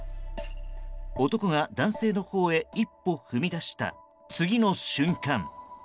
男が男性のほうへ一歩踏み出した次の瞬間。